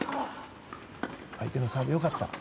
相手のサーブ、良かった。